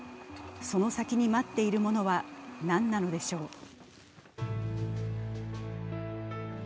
その先に待っているものは何なのでしょう？